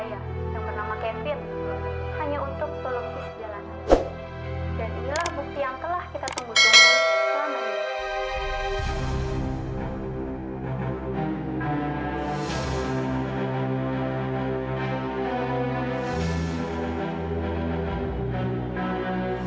lu tahu nggak apa yang terjadi sama dia semalam